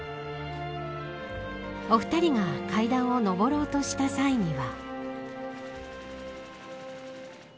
お二人が階段を上ろうとした際には。